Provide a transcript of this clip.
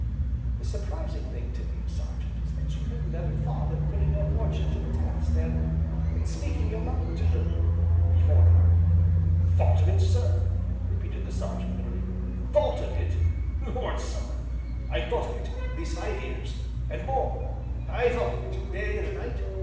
"The surprising thing to me, Sergeant, is that you have never thought of putting your fortune to the test, and speaking your mind to her, before now." "Thought of it, sir!" repeated the Sergeant, bitterly, "thought of it! Lord, sir! I've thought of it these five years and more. I've thought of it day and night.